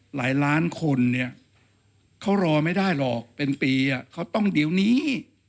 หลายล้านคนเนี่ยเขารอไม่ได้หรอกเป็นปีเขาต้องเดี๋ยวนี้